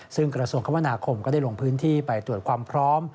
ซึ่งกระทรวงคมนาคมก็ได้ลงพื้นที่ไปตรวจความพร้อม